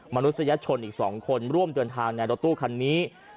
มนุษยชนอีก๒คนร่วมเดินทางในรถตู้คันนี้